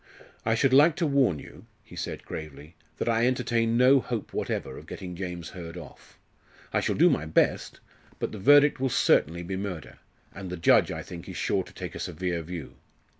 "I should like to warn you," he said gravely, "that I entertain no hope whatever of getting James Hurd off. I shall do my best, but the verdict will certainly be murder; and the judge, I think, is sure to take a severe view.